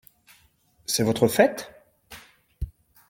C’est votre fête ?